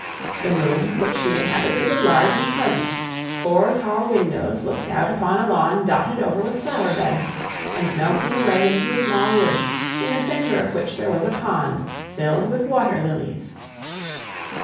The room which she inhabited was large and pleasant; four tall windows looked out upon a lawn dotted over with flower beds, and melting away into a small wood, in the centre of which there was a pond, filled with water lilies.